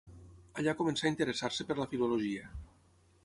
Allà començà a interessar-se per la filologia.